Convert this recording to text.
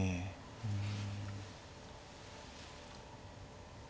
うん。